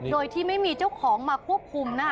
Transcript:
โดยที่ไม่มีเจ้าของมาควบคุมนะคะ